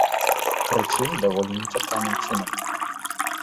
Прычым, даволі нечаканым чынам.